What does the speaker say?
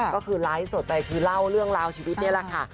ก็คือไลฟ์สดไปคือเล่าเรื่องราวชีวิตนี่แหละค่ะ